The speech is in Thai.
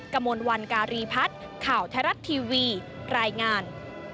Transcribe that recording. กระมวลวันการีพัฒน์ข่าวไทยรัฐทีวีรายงาน